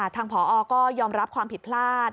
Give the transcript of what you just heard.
ทางผอก็ยอมรับความผิดพลาด